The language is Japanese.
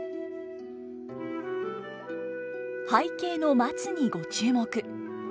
背景の松にご注目。